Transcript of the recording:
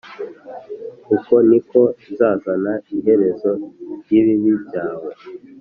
Uko ni ko nzazana iherezo ry ibibi byawe